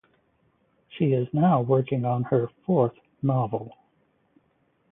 She is now working on her fourth novel.